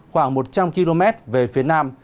khoảng một trăm linh km về phía nam